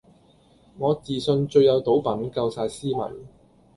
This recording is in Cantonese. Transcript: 我自信最有賭品,夠曬斯文